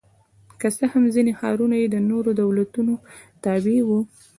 که څه هم ځیني ښارونه یې د نورو دولتونو تابع وو